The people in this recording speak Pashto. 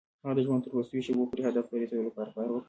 هغه د ژوند تر وروستيو شېبو پورې هدف ته د رسېدو لپاره کار وکړ.